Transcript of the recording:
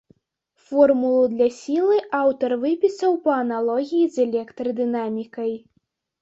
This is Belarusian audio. Формулу для сілы аўтар выпісаў па аналогіі з электрадынамікай.